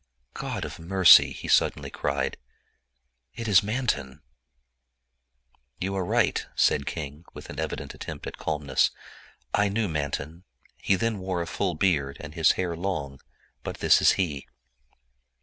"God of mercy!" he suddenly cried, "it is Manton!" "You are right," said King, with an evident attempt at calmness: "I knew Manton. He then wore a full beard and his hair long, but this is he."